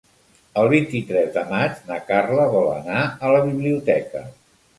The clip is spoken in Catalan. El vint-i-tres de maig na Carla vol anar a la biblioteca.